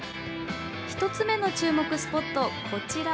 １つ目の注目スポットはこちら！